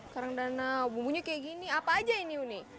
karang danau bumbunya kayak gini apa aja ini unik